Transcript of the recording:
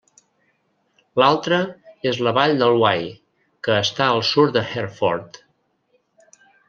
L'altra és la vall del Wye, que està al sud de Hereford.